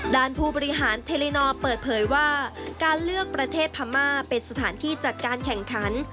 ผู้บริหารเทลินอร์เปิดเผยว่าการเลือกประเทศพม่าเป็นสถานที่จัดการแข่งขัน